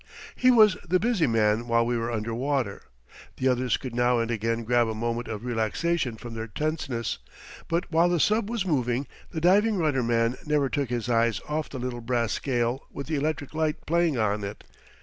He was the busy man while we were under water. The others could now and again grab a moment of relaxation from their tenseness, but while the sub was moving the diving rudder man never took his eyes off the little brass scale with the electric light playing on it.